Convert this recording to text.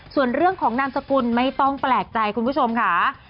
ส่วนเรื่องของนามสกุลไม่ต้องแปลกใจคุณผู้ชมค่ะ